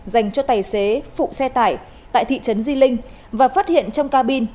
dành cho tài xế phụ xe tải tại thị trấn di linh và phát hiện trong cabin